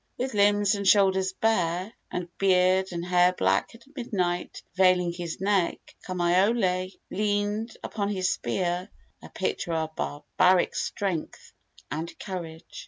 With limbs and shoulders bare, and beard and hair black as midnight veiling his neck, Kamaiole leaned upon his spear a picture of barbaric strength and courage.